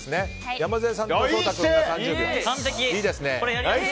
山添さんと颯太君が３０秒。